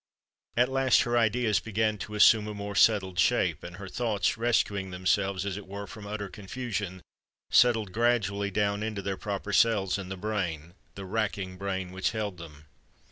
At last her ideas began to assume a more settled shape; and her thoughts, rescuing themselves as it were from utter confusion, settled gradually down into their proper cells in the brain—the racking brain which held them!